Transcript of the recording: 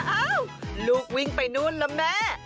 อ้าวลูกวิ่งไปนู่นละแม่